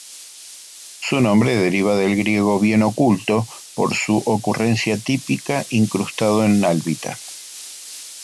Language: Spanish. Su nombre deriva del griego 'bien oculto', por su ocurrencia típica incrustado en albita.